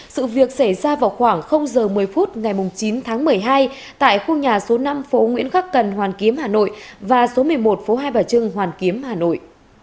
sự việc xảy ra vào khoảng h một mươi phút ngày chín tháng một mươi hai tại khu nhà số năm phố nguyễn khắc cần hoàn kiếm hà nội và số một mươi một phố hai bà trưng hoàn kiếm hà nội